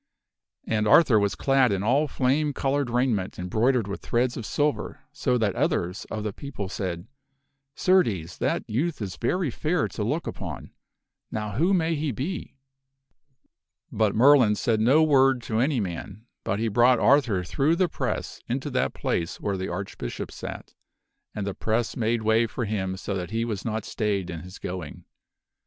And Arthur was clad all in flame colored raiment embroidered with threads of silver, so that others of the people said, " Certes, that youth is very fair for to look upon; now who may he be ?" But Merlin said no word to any man, but he brought Arthur through the press unto that place where the Archbishop sat; and the press made way for him so that he was not stayed in his going.